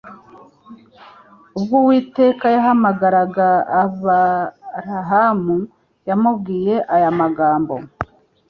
Ubwo Uwiteka yahamagaraga Aburahamu yamubwiye aya magambo